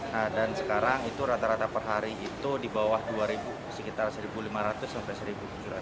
nah dan sekarang itu rata rata per hari itu di bawah dua ribu sekitar satu lima ratus sampai satu tujuh ratus